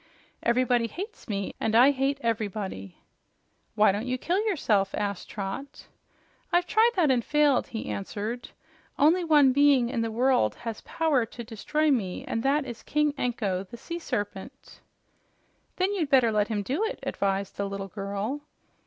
Everybody hates me, and I hate everybody." "Why don't you kill yourself?" asked Trot. "I've tried that and failed," he answered. "Only one being in the world has power to destroy me, and that is King Anko, the sea serpent." "Then you'd better let him do it," advised the little girl.